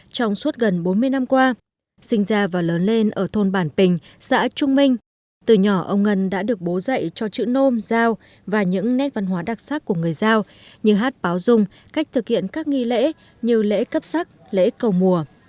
trong suốt gần bốn mươi năm qua sinh ra và lớn lên ở thôn bản bình xã trung minh từ nhỏ ông ngân đã được bố dạy cho chữ nôm giao và những nét văn hóa đặc sắc của người giao như hát báo dung cách thực hiện các nghi lễ như lễ cấp sắc lễ cầu mùa